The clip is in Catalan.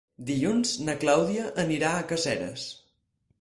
Dilluns na Clàudia anirà a Caseres.